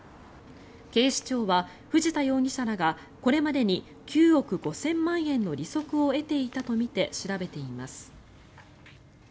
警視庁は藤田容疑者らがこれまでに９億５０００万円の利息を得ていたとみて調べています。